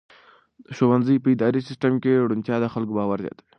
د ښوونځي په اداري سیسټم کې روڼتیا د خلکو باور زیاتوي.